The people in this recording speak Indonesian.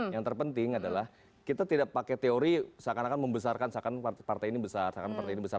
yang terpenting adalah kita tidak pakai teori seakan akan membesarkan seakan partai ini besar